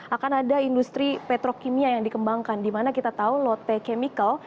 akan ada industri petrokimia yang dikembangkan dimana kita tahu lotte chemical